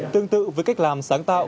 tương tự với cách làm sáng tạo